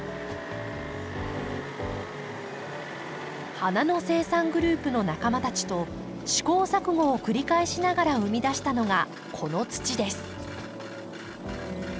花の生産グループの仲間たちと試行錯誤を繰り返しながら生み出したのがこの土です。